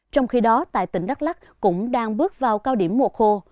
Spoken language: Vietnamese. trong khi đó tại tỉnh đắk lắc cũng đang bước vào cao điểm mùa khô